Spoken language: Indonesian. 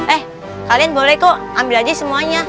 eh kalian boleh kok ambil aja semuanya